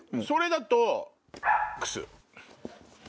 それだと。